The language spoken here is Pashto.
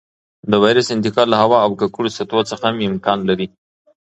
د وېروس انتقال له هوا او ککړو سطحو څخه هم امکان لري.